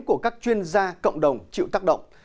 của các chuyên gia cộng đồng chịu tác động